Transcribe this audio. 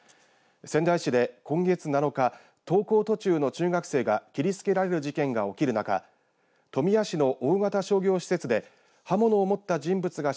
仙台市で、今月７日登校途中の中学生が切りつけられる事件が起きる中富谷市の大型商業施設で刃物を持った人物が